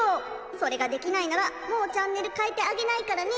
それができないならもうチャンネルかえてあげないからね」。